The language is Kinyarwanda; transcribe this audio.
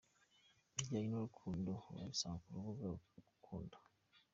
bijyanye n'urukundo wabisanga ku rubuga Gukunda.